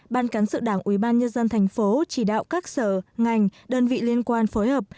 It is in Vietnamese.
ban cán sự đảng ủy ban nhân dân thành phố chỉ đạo các sở ngành đơn vị liên quan phối hợp